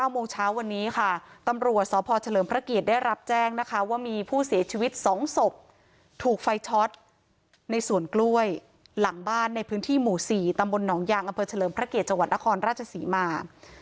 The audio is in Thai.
โมงเช้าวันนี้ค่ะตำรวจสพเฉลิมพระเกียรติได้รับแจ้งนะคะว่ามีผู้เสียชีวิต๒ศพถูกไฟช็อตในสวนกล้วยหลังบ้านในพื้นที่หมู่๔ตำบลหนองยางอำเภอเฉลิมพระเกียรติจังหวัดนครราชศรีมา